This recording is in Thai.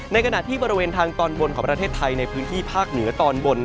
ขณะที่บริเวณทางตอนบนของประเทศไทยในพื้นที่ภาคเหนือตอนบน